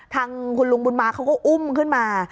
ทางคุณลุงบุญมาเขาก็อุ้มขึ้นมา